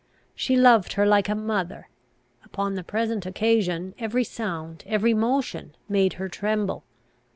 She loved her like a mother. Upon the present occasion, every sound, every motion, made her tremble.